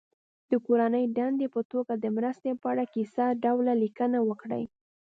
د کورنۍ دندې په توګه د مرستې په اړه کیسه ډوله لیکنه وکړي.